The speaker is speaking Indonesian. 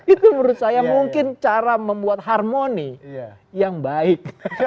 itu menurut saya mungkin cara membuat harmoni yang baik